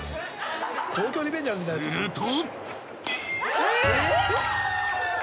［すると］